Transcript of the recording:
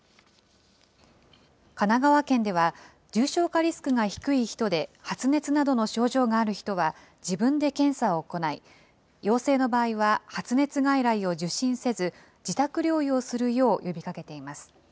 神奈川県では、重症化リスクが低い人で発熱などの症状がある人は自分で検査を行い、陽性の場合は発熱外来を受診せず、自宅療養するよう呼びかけています。